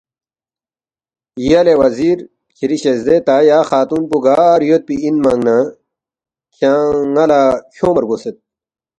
”یلے وزیر کِھری شزدے تا یا خاتون پو گار یودپی اِنمنگ نہ کھیانگ ن٘ا لہ کھیونگما رگوسید